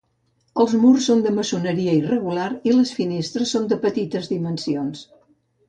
Els murs són de maçoneria irregular i les finestres són de petites dimensions.